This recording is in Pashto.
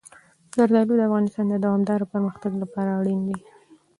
زردالو د افغانستان د دوامداره پرمختګ لپاره اړین دي.